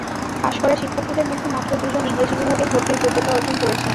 Pass করা শিক্ষার্থীদের মধ্যে মাত্র দুজন ইংরেজি বিভাগে ভর্তির যোগ্যতা অর্জন করেছেন।